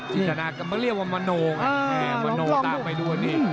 จิตนาก็เรียกว่ามะโนไงมะโนตามไปดูอันนี้